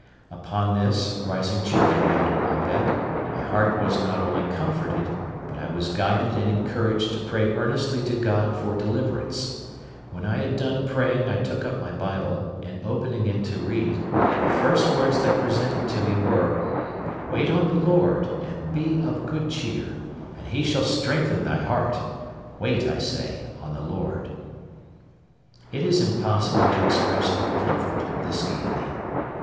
Upon this, rising cheerfully out of my bed, my heart was not only comforted, but I was guided and encouraged to pray earnestly to God for deliverance: when I had done praying I took up my Bible, and opening it to read, the first words that presented to me were, "Wait on the Lord, and be of good cheer, and He shall strengthen thy heart; wait, I say, on the Lord." It is impossible to express the comfort this gave me.